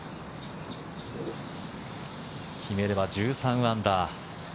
決めれば１３アンダー。